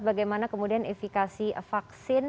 bagaimana kemudian efekasi vaksin